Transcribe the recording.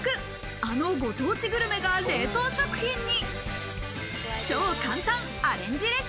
あのご当地グルメが冷凍食品に。